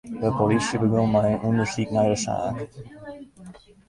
De polysje begûn mei in ûndersyk nei de saak.